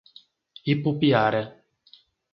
Ipupiara